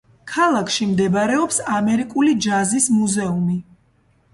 ქალაქში მდებარეობს ამერიკული ჯაზის მუზეუმი.